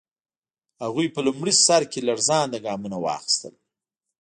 هغوی په لومړي سر کې لړزانده ګامونه واخیستل.